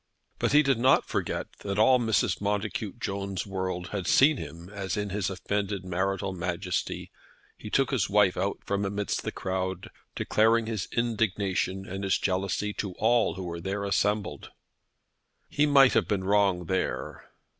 But he did not forget that all Mrs. Montacute Jones' world had seen him as in his offended marital majesty he took his wife out from amidst the crowd, declaring his indignation and his jealousy to all who were there assembled. He might have been wrong there.